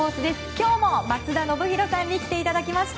今日も松田宣浩さんに来ていただきました。